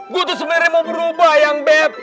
gue tuh sebenernya mau berubah ayang beb